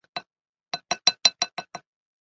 高水寺斯波氏当主。